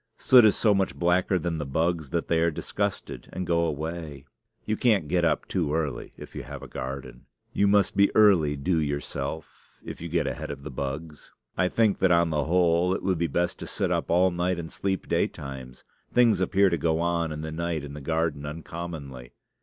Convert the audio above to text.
Soot is so much blacker than the bugs that they are disgusted and go away. You can't get up too early if you have a garden. You must be early due yourself, if you get ahead of the bugs. I think that, on the whole, it would be best to sit up all night and sleep daytimes. Things appear to go on in the night in the garden uncommonly.